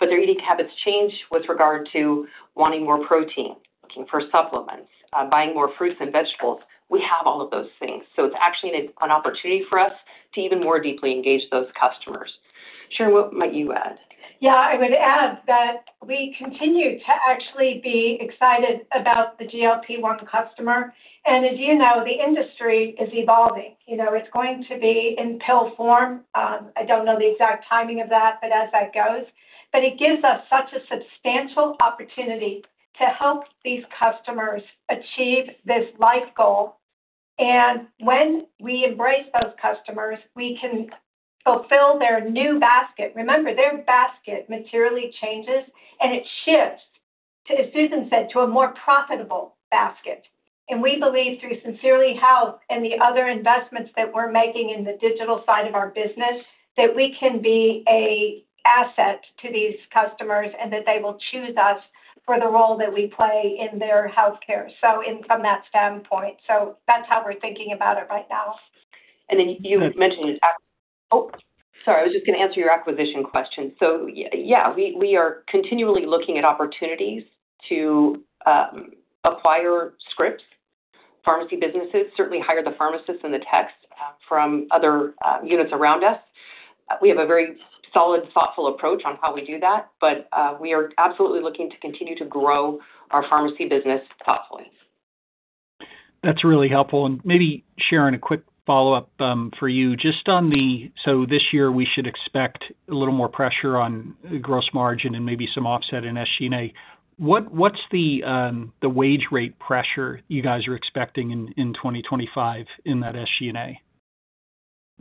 [SPEAKER 4] but their eating habits change with regard to wanting more protein, looking for supplements, buying more fruits and vegetables. We have all of those things. It is actually an opportunity for us to even more deeply engage those customers. Sharon, what might you add?
[SPEAKER 5] Yeah. I would add that we continue to actually be excited about the GLP-1 customer. And as you know, the industry is evolving. It is going to be in pill form. I do not know the exact timing of that, but as that goes. It gives us such a substantial opportunity to help these customers achieve this life goal. When we embrace those customers, we can fulfill their new basket. Remember, their basket materially changes, and it shifts, as Susan said, to a more profitable basket. We believe through Sincerely Health and the other investments that we're making in the digital side of our business that we can be an asset to these customers and that they will choose us for the role that we play in their healthcare. From that standpoint, that's how we're thinking about it right now.
[SPEAKER 4] You mentioned, oh, sorry. I was just going to answer your acquisition question. We are continually looking at opportunities to acquire scripts. Pharmacy businesses certainly hire the pharmacists and the techs from other units around us. We have a very solid, thoughtful approach on how we do that, but we are absolutely looking to continue to grow our pharmacy business thoughtfully.
[SPEAKER 12] That's really helpful. Maybe, Sharon, a quick follow-up for you. Just on the so this year, we should expect a little more pressure on gross margin and maybe some offset in SG&A. What's the wage rate pressure you guys are expecting in 2025 in that SG&A?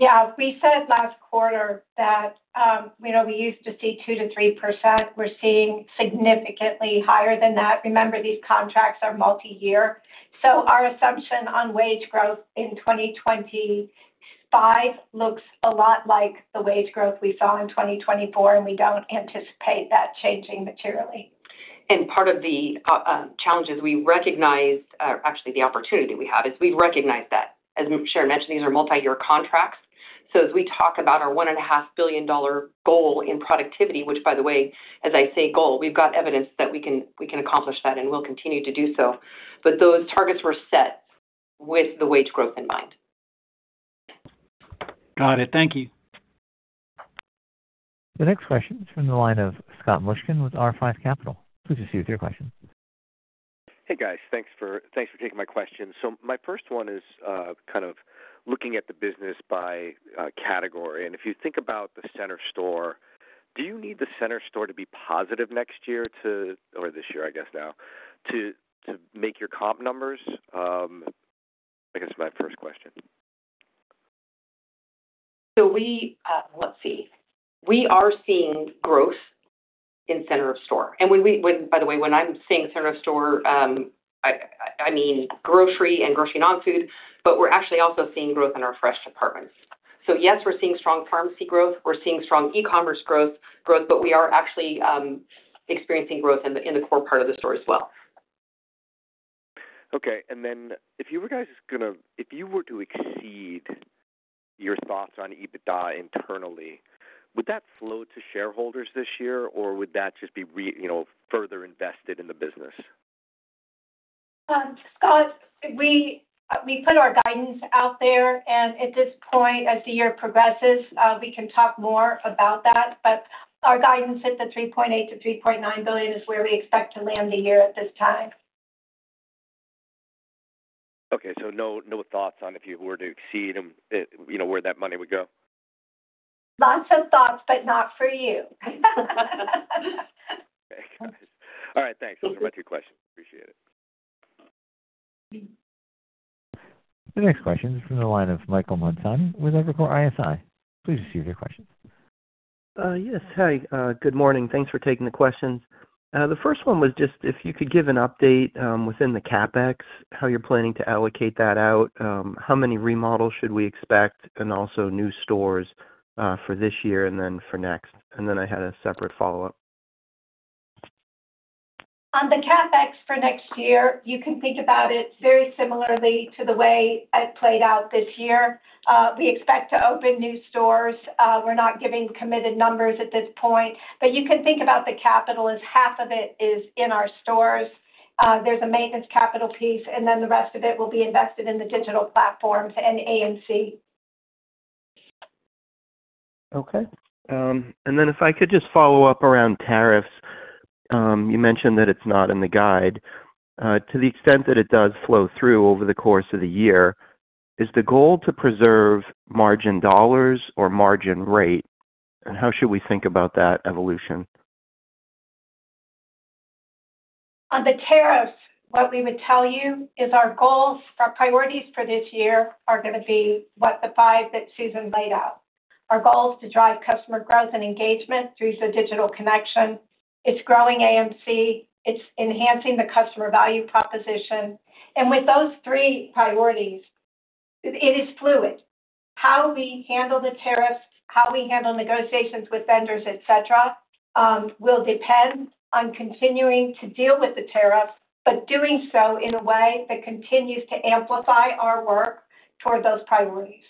[SPEAKER 5] Yeah. We said last quarter that we used to see 2-3%. We're seeing significantly higher than that. Remember, these contracts are multi-year. Our assumption on wage growth in 2025 looks a lot like the wage growth we saw in 2024, and we don't anticipate that changing materially.
[SPEAKER 4] Part of the challenges we recognize, or actually the opportunity we have, is we've recognized that. As Sharon mentioned, these are multi-year contracts. As we talk about our $1.5 billion goal in productivity, which, by the way, as I say goal, we've got evidence that we can accomplish that and will continue to do so. Those targets were set with the wage growth in mind.
[SPEAKER 12] Got it. Thank you.
[SPEAKER 1] The next question is from the line of Scott Mushkin with R5 Capital. Please proceed with your question. Hey, guys.
[SPEAKER 13] Thanks for taking my question. My first one is kind of looking at the business by category. If you think about the Center Store, do you need the Center store to be positive next year or this year, I guess now, to make your comp numbers? I guess my first question.
[SPEAKER 4] Let's see. We are seeing growth in center of store. By the way, when I'm saying center of store, I mean grocery and grocery non-food, but we're actually also seeing growth in our fresh departments. Yes, we're seeing strong pharmacy growth. We're seeing strong e-commerce growth, but we are actually experiencing growth in the core part of the store as well.
[SPEAKER 13] Okay. If you were to exceed your thoughts on EBITDA internally, would that flow to shareholders this year, or would that just be further invested in the business?
[SPEAKER 5] Scott, we put our guidance out there. At this point, as the year progresses, we can talk more about that. Our guidance at the $3.8 to 3.9 billion is where we expect to land the year at this time.
[SPEAKER 13] Okay. No thoughts on if you were to exceed where that money would go?
[SPEAKER 5] Lots of thoughts, but not for you.
[SPEAKER 13] Okay. All right. Thanks. Those are my two questions. Appreciate it.
[SPEAKER 1] The next question is from the line of Michael Montani with Evercore ISI. Please proceed with your questions.
[SPEAKER 14] Yes. Hi. Good morning. Thanks for taking the questions. The first one was just if you could give an update within the CapEx, how you're planning to allocate that out, how many remodels should we expect, and also new stores for this year and then for next. I had a separate follow-up.
[SPEAKER 5] On the CapEx for next year, you can think about it very similarly to the way it played out this year. We expect to open new stores. We're not giving committed numbers at this point. You can think about the capital as half of it is in our stores. There's a maintenance capital piece, and the rest of it will be invested in the digital platforms and AMC.
[SPEAKER 14] Okay. If I could just follow up around tariffs. You mentioned that it's not in the guide. To the extent that it does flow through over the course of the year, is the goal to preserve margin dollars or margin rate? How should we think about that evolution?
[SPEAKER 5] On the tariffs, what we would tell you is our goals, our priorities for this year are going to be what the five that Susan laid out. Our goal is to drive customer growth and engagement through the digital connection. It is growing AMC. It is enhancing the customer value proposition. With those three priorities, it is fluid. How we handle the tariffs, how we handle negotiations with vendors, etc., will depend on continuing to deal with the tariffs, but doing so in a way that continues to amplify our work toward those priorities.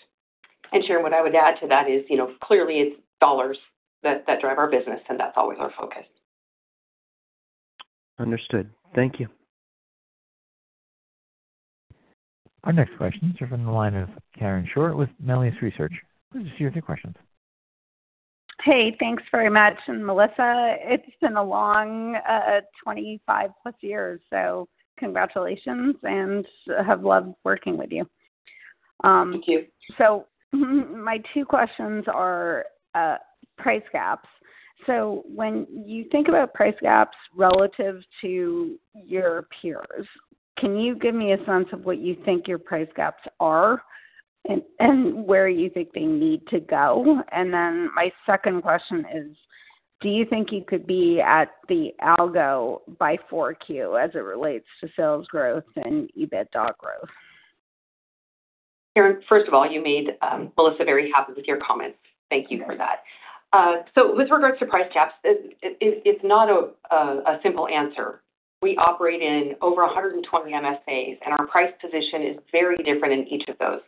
[SPEAKER 4] Sharon, what I would add to that is clearly it is dollars that drive our business, and that is always our focus.
[SPEAKER 14] Understood. Thank you.
[SPEAKER 1] Our next questions are from the line of Karen Short with Melius Research. Please proceed with your questions.
[SPEAKER 15] Hey, thanks very much, Melissa. It's been a long 25-plus years, so congratulations, and I have loved working with you.
[SPEAKER 2] Thank you.
[SPEAKER 15] My two questions are price gaps. When you think about price gaps relative to your peers, can you give me a sense of what you think your price gaps are and where you think they need to go? My second question is, do you think you could be at the algo by 4Q as it relates to sales growth and EBITDA growth?
[SPEAKER 4] Sharon, first of all, you made Melissa very happy with your comments. Thank you for that. With regards to price gaps, it's not a simple answer. We operate in over 120 MSAs, and our price position is very different in each of those.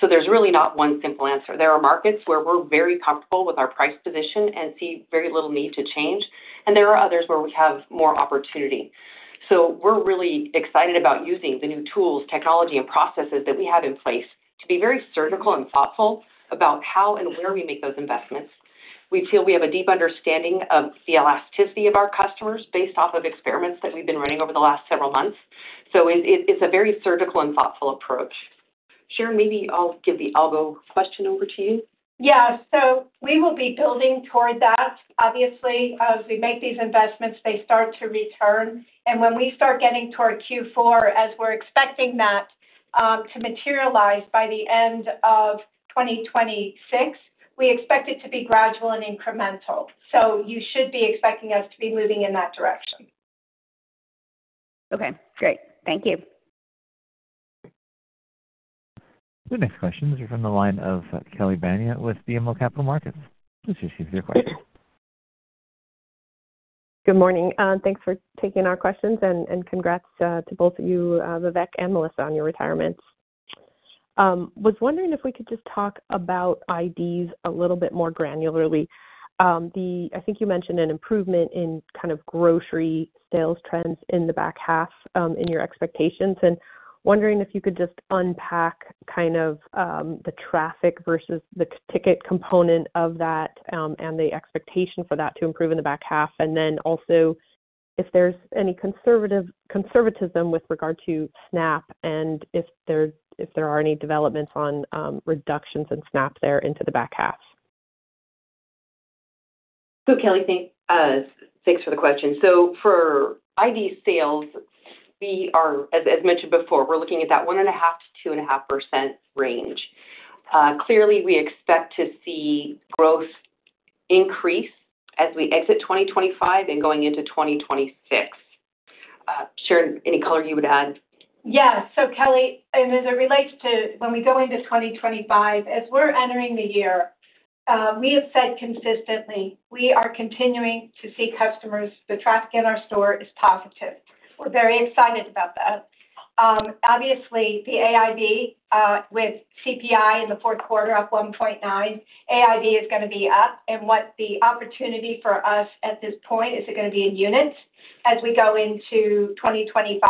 [SPEAKER 4] There is really not one simple answer. There are markets where we are very comfortable with our price position and see very little need to change, and there are others where we have more opportunity. We are really excited about using the new tools, technology, and processes that we have in place to be very surgical and thoughtful about how and where we make those investments. We feel we have a deep understanding of the elasticity of our customers based off of experiments that we have been running over the last several months. It is a very surgical and thoughtful approach. Sharon, maybe I will give the algo question over to you.
[SPEAKER 5] Yeah. We will be building toward that. Obviously, as we make these investments, they start to return. When we start getting toward Q4, as we're expecting that to materialize by the end of 2026, we expect it to be gradual and incremental. You should be expecting us to be moving in that direction.
[SPEAKER 15] Okay. Great. Thank you.
[SPEAKER 1] The next question is from the line of Kelly Bania with BMO Capital Markets. Please proceed with your questions.
[SPEAKER 16] Good morning. Thanks for taking our questions, and congrats to both of you, Vivek and Melissa, on your retirements. I was wondering if we could just talk about IDs a little bit more granularly. I think you mentioned an improvement in kind of grocery sales trends in the back half in your expectations. Wondering if you could just unpack kind of the traffic versus the ticket component of that and the expectation for that to improve in the back half. If there's any conservatism with regard to SNAP and if there are any developments on reductions in SNAP there into the back half.
[SPEAKER 4] Kelly, thanks for the question. For ID sales, as mentioned before, we're looking at that 1.5% to 2.5% range. Clearly, we expect to see growth increase as we exit 2025 and going into 2026. Sharon, any color you would add?
[SPEAKER 5] Yeah. Kelly, as it relates to when we go into 2025, as we're entering the year, we have said consistently we are continuing to see customers. The traffic in our store is positive. We're very excited about that. Obviously, the AIV with CPI in the fourth quarter up 1.9%. AIV is going to be up. What the opportunity for us at this point is, it is going to be in units as we go into 2025?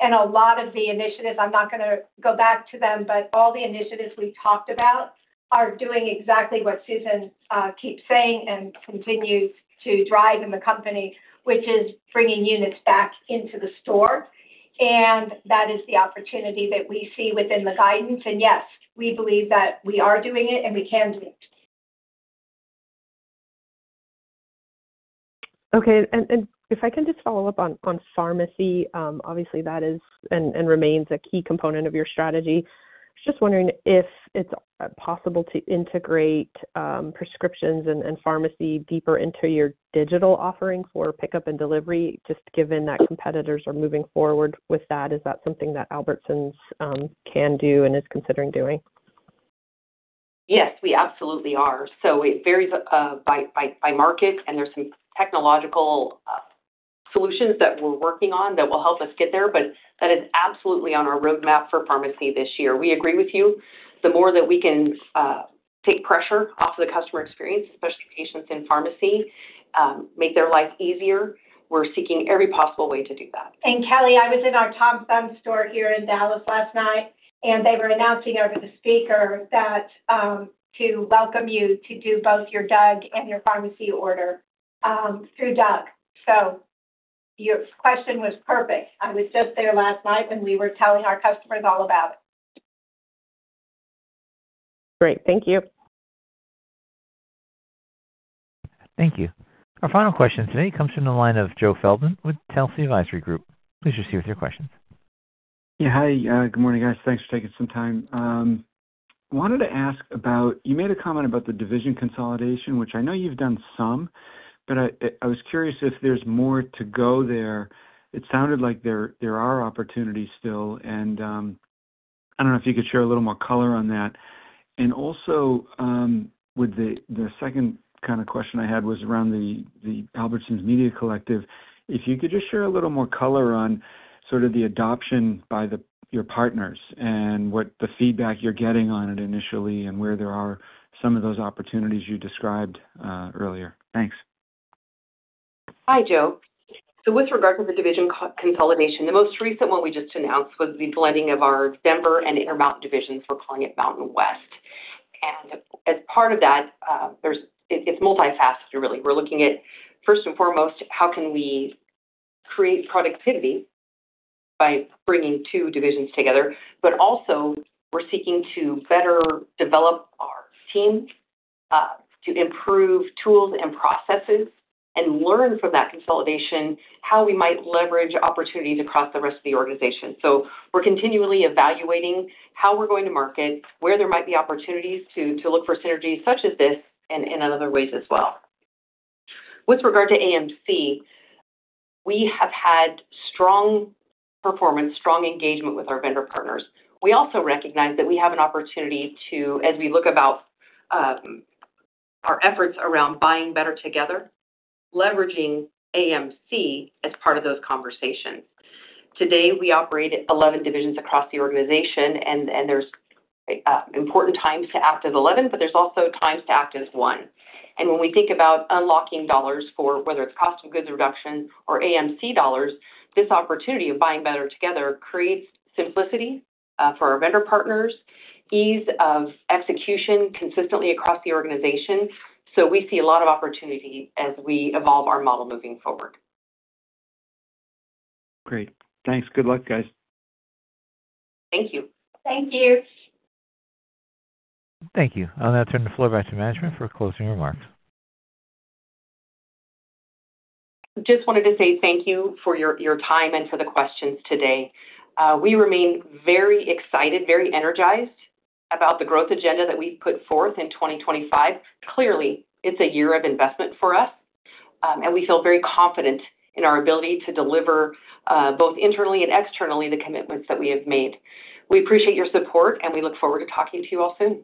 [SPEAKER 5] A lot of the initiatives—I am not going to go back to them—but all the initiatives we talked about are doing exactly what Susan keeps saying and continues to drive in the company, which is bringing units back into the store. That is the opportunity that we see within the guidance. Yes, we believe that we are doing it, and we can do it.
[SPEAKER 16] Okay. If I can just follow up on pharmacy, obviously that is and remains a key component of your strategy. Just wondering if it is possible to integrate prescriptions and pharmacy deeper into your digital offering for pickup and delivery, just given that competitors are moving forward with that. Is that something that Albertsons can do and is considering doing?
[SPEAKER 4] Yes, we absolutely are. It varies by market, and there are some technological solutions that we're working on that will help us get there, but that is absolutely on our roadmap for pharmacy this year. We agree with you. The more that we can take pressure off of the customer experience, especially patients in pharmacy, make their life easier, we're seeking every possible way to do that.
[SPEAKER 5] Kelly, I was in our Tom Thumb store here in Dallas last night, and they were announcing over the speaker to welcome you to do both your drug and your pharmacy order through DUG. Your question was perfect. I was just there last night when we were telling our customers all about it.
[SPEAKER 16] Great. Thank you.
[SPEAKER 1] Thank you. Our final question today comes from the line of Joe Feldman with Telsey Advisory Group. Please proceed with your questions.
[SPEAKER 17] Yeah. Hi. Good morning, guys. Thanks for taking some time. I wanted to ask about you made a comment about the division consolidation, which I know you've done some, but I was curious if there's more to go there. It sounded like there are opportunities still, and I don't know if you could share a little more color on that. Also, the second kind of question I had was around the Albertsons Media Collective. If you could just share a little more color on sort of the adoption by your partners and what the feedback you're getting on it initially and where there are some of those opportunities you described earlier. Thanks.
[SPEAKER 4] Hi, Joe. With regard to the division consolidation, the most recent one we just announced was the blending of our Denver and Intermountain divisions. We're calling it Mountain West. As part of that, it's multifaceted, really. We're looking at, first and foremost, how can we create productivity by bringing two divisions together. We are also seeking to better develop our team to improve tools and processes and learn from that consolidation how we might leverage opportunities across the rest of the organization. We are continually evaluating how we're going to market, where there might be opportunities to look for synergies such as this and in other ways as well. With regard to AMC, we have had strong performance, strong engagement with our vendor partners. We also recognize that we have an opportunity to, as we look about our efforts around buying better together, leverage AMC as part of those conversations. Today, we operate 11 divisions across the organization, and there are important times to act as 11, but there are also times to act as 1.When we think about unlocking dollars for whether it's cost of goods reduction or AMC dollars, this opportunity of buying better together creates simplicity for our vendor partners, ease of execution consistently across the organization. We see a lot of opportunity as we evolve our model moving forward.
[SPEAKER 17] Great. Thanks. Good luck, guys.
[SPEAKER 4] Thank you. Thank you.
[SPEAKER 5] Thank you.
[SPEAKER 1] I'll now turn the floor back to management for closing remarks.
[SPEAKER 4] Just wanted to say thank you for your time and for the questions today. We remain very excited, very energized about the growth agenda that we've put forth in 2025. Clearly, it's a year of investment for us, and we feel very confident in our ability to deliver both internally and externally the commitments that we have made. We appreciate your support, and we look forward to talking to you all soon.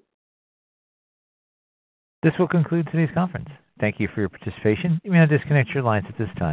[SPEAKER 1] This will conclude today's conference. Thank you for your participation. You may now disconnect your lines at this time.